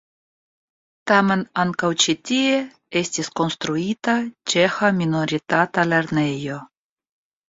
Tamen ankaŭ ĉi tie estis konstruita ĉeĥa minoritata lernejo.